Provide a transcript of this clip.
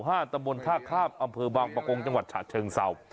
ตำบลท่าข้ามอำเภอบางประกงจังหวัดฉะเชิงเศร้า